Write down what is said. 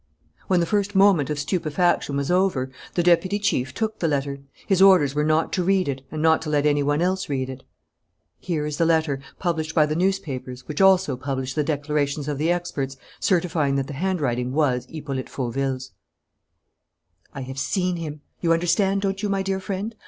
When the first moment of stupefaction was over, the deputy chief took the letter. His orders were not to read it and not to let any one else read it. Here is the letter, published by the newspapers, which also published the declarations of the experts certifying that the handwriting was Hippolyte Fauville's: "I have seen him! You understand, don't you, my dear friend?